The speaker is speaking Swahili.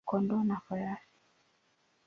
kondoo na farasi.